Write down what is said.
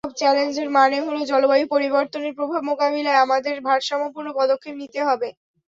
এসব চ্যালেঞ্জের মানে হলো, জলবায়ু পরিবর্তনের প্রভাব মোকাবিলায় আমাদের ভারসাম্যপূর্ণ পদক্ষেপ নিতে হবে।